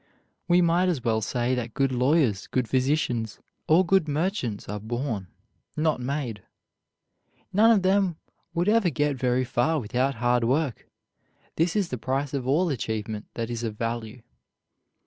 We might as well say that good lawyers, good physicians, or good merchants are born, not made. None of them would ever get very far without hard work. This is the price of all achievement that is of value.